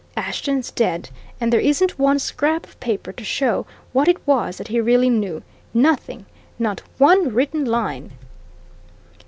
Ashton's dead, and there isn't one scrap of paper to show what it was that he really knew. Nothing not one written line!"